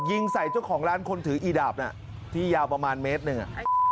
ยิงใส่เจ้าของร้านคนถืออีดาบที่ยาวประมาณเมตรหนึ่ง